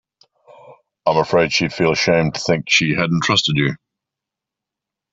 I'm afraid she'd feel ashamed to think she hadn't trusted you.